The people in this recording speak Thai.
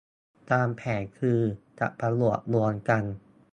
ตามแผนคือจะผนวกรวมกัน